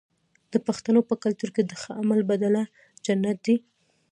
د پښتنو په کلتور کې د ښه عمل بدله جنت دی.